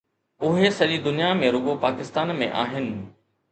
اهي سڄي دنيا ۾ رڳو پاڪستان ۾ آهن.